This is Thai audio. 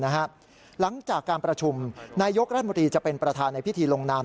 หลังจากการประชุมนายกรัฐมนตรีจะเป็นประธานในพิธีลงนาม